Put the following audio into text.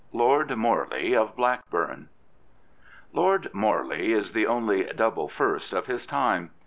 LORD MORLEY OF BLACKBURN Lord Morley is the only " double first " of his time.